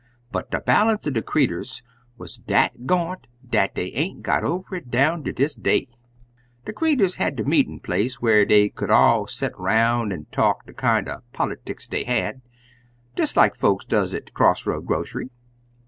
But de balance er de creeturs wuz dat ga'nt dat dey ain't got over it down ter dis day. "De creeturs had der meetin' place, whar dey could all set 'roun' an' talk de kind er politics dey had, des like folks does at de cross roads grocery.